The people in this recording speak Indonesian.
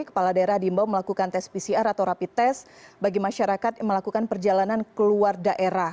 kepala daerah diimbau melakukan tes pcr atau rapi tes bagi masyarakat yang melakukan perjalanan keluar daerah